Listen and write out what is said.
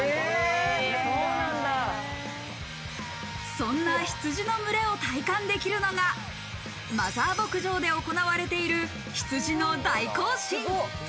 そんな羊の群れを体感できるのが、マザー牧場で行われている羊の大行進。